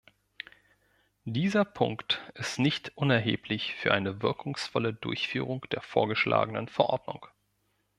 Dieser Punkt ist nicht unerheblich für eine wirkungsvolle Durchführung der vorgeschlagenen Verordnung.